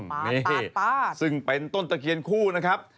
นี่ซึ่งเป็นต้นตะเคียนคู่นะครับ